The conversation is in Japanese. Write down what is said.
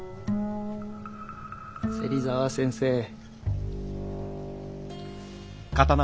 芹沢先生。